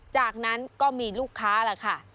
จากนั้นก็มีลูกค้าล่ะค่ะ